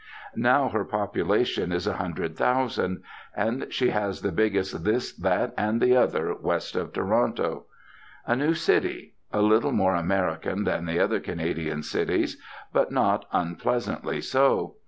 Now her population is a hundred thousand, and she has the biggest this, that, and the other west of Toronto. A new city; a little more American than the other Canadian cities, but not unpleasantly so.